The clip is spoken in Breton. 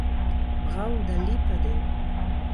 Brav da lipat eo.